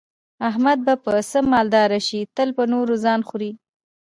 احمد به په څه مالدار شي، تل په نورو ځان خوري.